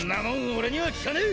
俺には効かねぇ！！